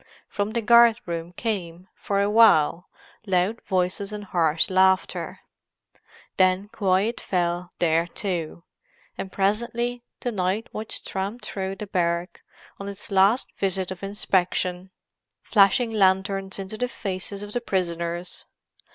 From the guard room came, for a while, loud voices and harsh laughter; then quiet fell there too, and presently the night watch tramped through the barrack on its last visit of inspection, flashing lanterns into the faces of the prisoners.